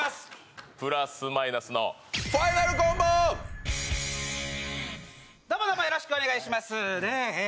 プラス・マイナスのどうもどうもよろしくお願いしますねえ